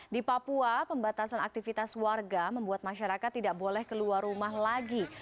di papua pembatasan aktivitas warga membuat masyarakat tidak boleh keluar rumah lagi